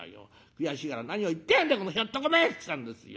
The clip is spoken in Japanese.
悔しいから『何を言ってやがんだこのひょっとこめ！』って言ったんですよ。